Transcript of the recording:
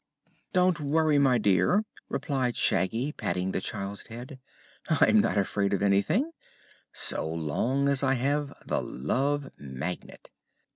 "Don't worry, my dear," replied Shaggy, patting the child's head. "I'm not afraid of anything, so long as I have the Love Magnet."